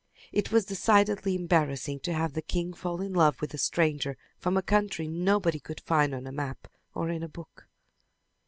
It was decidedly embarrassing to have the king fall in love with a stranger from a country nobody could find on a map or in a book.